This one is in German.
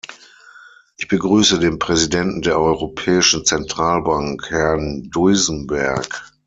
Ich begrüße den Präsidenten der Europäischen Zentralbank, Herrn Duisenberg.